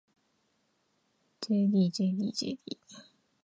ｊｄｊｄｊｄ